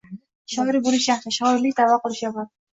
Shoir bo’lish yaxshi, shoirlik da’vo qilish yomon.